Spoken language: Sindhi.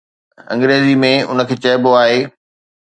انگريزيءَ ۾ ان کي چئبو آهي